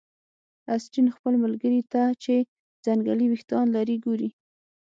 اسټین خپل ملګري ته چې ځنګلي ویښتان لري ګوري